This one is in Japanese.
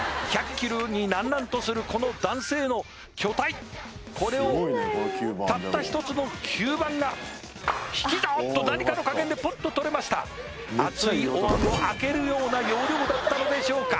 １００キロになんなんとするこの男性の巨体これをたった１つの吸盤が引き算おっと何かの加減でぽっと取れました熱いおわんを開けるような要領だったのでしょうか